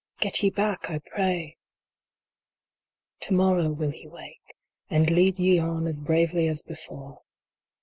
Get ye back, I pray ! To morrow will he wake, and lead ye on as bravely as before.